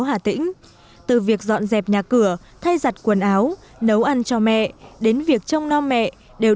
hà tĩnh từ việc dọn dẹp nhà cửa thay giặt quần áo nấu ăn cho mẹ đến việc trông non mẹ đều